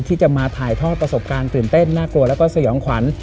ที่จะมาถ่ายทอดประสบการณ์ตื่นเต้นน่ากลัวแล้วก็สยองขวัญ